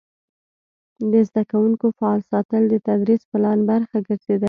د زده کوونکو فعال ساتل د تدریسي پلان برخه ګرځېدلې.